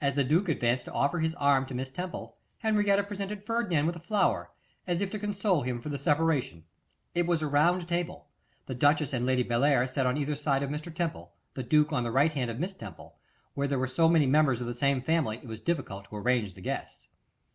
As the duke advanced to offer his arm to Miss Temple, Henrietta presented Ferdinand with a flower, as if to console him for the separation. It was a round table; the duchess and Lady Bellair sat on each side of Mr. Temple, the duke on the right hand of Miss Temple; where there were so many members of the same family, it was difficult to arrange the guests.